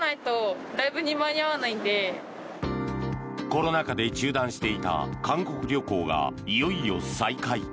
コロナ禍で中断していた韓国旅行がいよいよ再開。